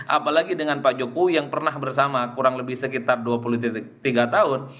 apalagi dengan pak jokowi yang pernah bersama kurang lebih sekitar dua puluh tiga tahun